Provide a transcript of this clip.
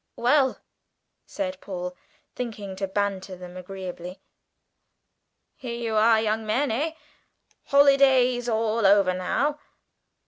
"Well," said Paul, thinking to banter them agreeably; "here you are, young men, eh? Holidays all over now!